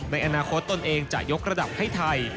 ในอนาคตตนเองจะยกระดับให้ไทย